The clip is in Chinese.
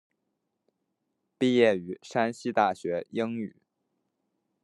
毕业于山西大学英语。